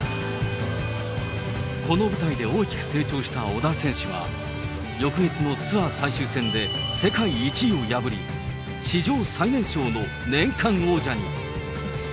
この舞台で大きく成長した小田選手は、翌月のツアー最終戦で世界１位を破り、史上最年少の年間王者に。